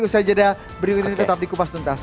usaha jeda berikut ini tetap di kupas tuntas